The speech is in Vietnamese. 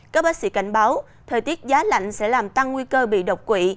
các bác sĩ cảnh báo thời tiết giá lạnh sẽ làm tăng nguy cơ bị độc quỷ